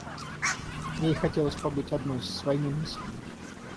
Ей хотелось побыть одной с своими мыслями.